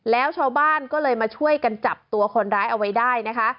แล้วชาวบ้านก็เลยมาช่วยกันจับตัวคนร้ายเอาไว้ได้นะคะ